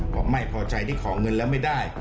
บอกไม่พอใจที่ขอเงินแล้วไม่ได้